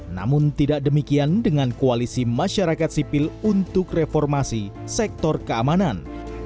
namun tidak demikian dengan koalisi masyarakat sipil untuk reformasi sektor keamanan